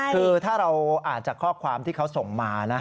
คือถ้าเราอ่านจากข้อความที่เขาส่งมานะ